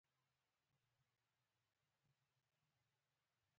ژبه د ملي وحدت اساس ده.